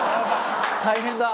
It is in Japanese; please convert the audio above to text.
大変だ。